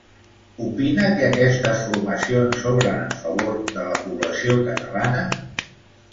Opina que aquestes formacions obren en favor de la població catalana?